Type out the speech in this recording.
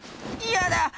いやだ！